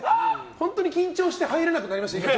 本当に緊張して入れなくなりました。